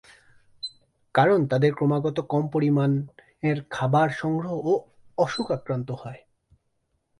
কারণ তাদের ক্রমাগত কম পরিমাণের খাবার সরবরাহ ও অসুখে আক্রান্ত হওয়া।